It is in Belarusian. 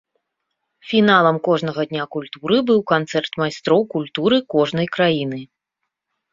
Фіналам кожнага дня культуры быў канцэрт майстроў культуры кожнай краіны.